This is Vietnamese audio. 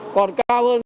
còn cao hơn